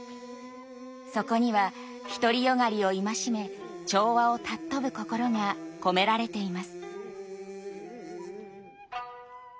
そこには独り善がりを戒め調和を尊ぶ心が込められています。